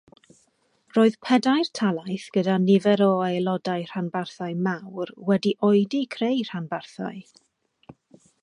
Roedd pedair talaith gyda nifer o aelodau rhanbarthau mawr wedi oedi creu rhanbarthau.